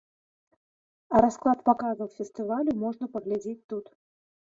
Расклад паказаў фестывалю можна паглядзець тут.